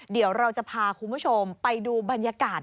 เดี๋ยวเราจะพาคุณผู้ชมไปดูบรรยากาศ